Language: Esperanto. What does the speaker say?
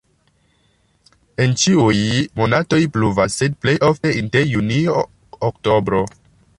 En ĉiuj monatoj pluvas, sed plej ofte inter junio-oktobro.